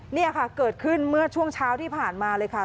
นี่ค่ะเกิดขึ้นเมื่อช่วงเช้าที่ผ่านมาเลยค่ะ